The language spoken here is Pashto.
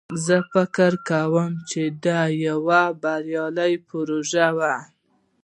زه فکر کوم چې دا یوه بریالی پروژه ده